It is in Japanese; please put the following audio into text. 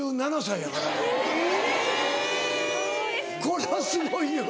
これはすごいよな。